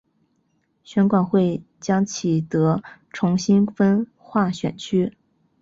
选管会将启德重新分划选区。